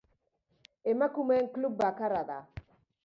Emakumeen klub bakarra da.